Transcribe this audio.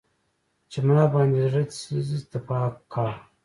چې ما باندې يې زړه سيزي تپاک کا